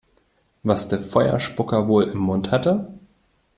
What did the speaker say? Was der Feuerspucker wohl im Mund hatte?